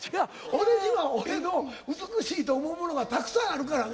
俺には俺の美しいと思うものはたくさんあるからね。